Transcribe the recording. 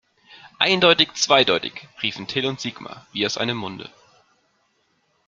Eindeutig zweideutig, riefen Till und Sigmar wie aus einem Munde.